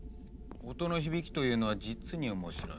音の響きというのは実に面白い。